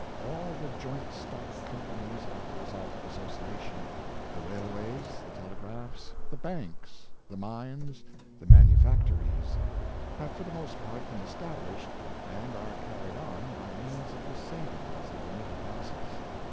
All the joint stock companies are the result of association. The railways, the tele graphs, the banks, the mines, the manufactories, have for the most part, been established and are carried on by means of the savings of the middle classes.